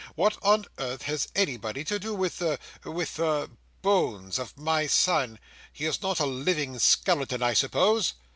"What on earth has anybody to do with the—with the—Bones of my son? He is not a living skeleton, I suppose."